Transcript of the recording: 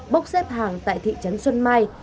bốc xếp hàng tại thị trấn xuân mai